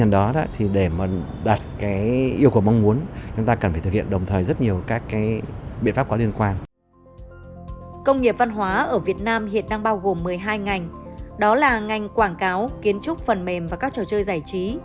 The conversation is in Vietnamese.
đó là ngành quảng cáo kiến trúc phần mềm và các trò chơi giải trí